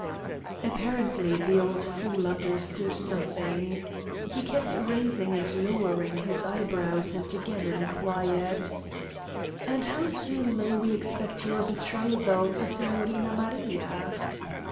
Apparently the old fool understood nothing. He kept raising and lowering his eyebrows and again inquired: "And how soon may we expect your betrothal to Signorina Maria!"